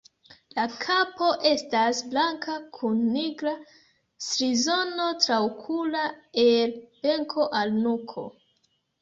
La kapo estas blanka kun nigra strizono traokula el beko al nuko.